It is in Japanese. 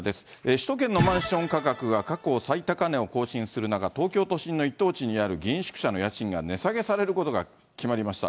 首都圏のマンション価格が過去最高値を更新する中、東京都心の一等地にある議員宿舎の家賃が値下げされることが決まりました。